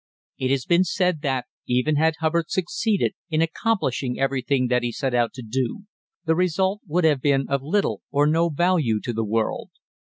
It has been said that, even had Hubbard succeeded in accomplishing everything that he set out to do, the result would have been of little or no value to the world.